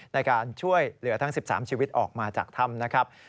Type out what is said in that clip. ในการช่วยเหลือทั้ง๑๓ชีวิตออกมาจากถ้ำนะครับ